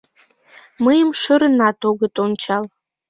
Мыйым шӧрынат огыт ончал.